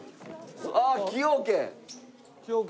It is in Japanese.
あっ崎陽軒！